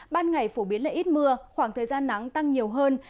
ban ngày phổ biến là ít mưa khoảng thời gian nắng tăng nhiều hơn